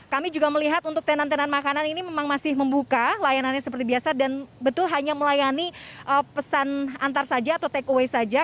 kami juga melihat untuk tenan tenan makanan ini memang masih membuka layanannya seperti biasa dan betul hanya melayani pesan antar saja atau take away saja